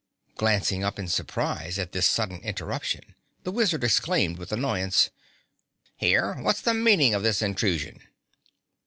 Glancing up in surprise at this sudden interruption, the Wizard exclaimed with annoyance, "Here, what's the meaning of this intrusion?"